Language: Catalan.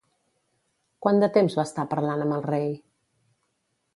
Quant de temps va estar parlant amb el rei?